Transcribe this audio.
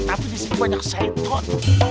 tapi disini banyak setot